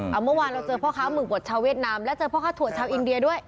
เอาเมื่อวานเราเจอพ่อค้าหมึกบดชาวเวียดนามแล้วเจอพ่อค้าถั่วชาวอินเดียด้วย